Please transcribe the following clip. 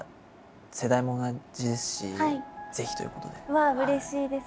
うわうれしいです。